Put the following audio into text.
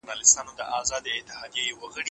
کله ناکله فرد د ګروپ لپاره خپل نظر بدلوي.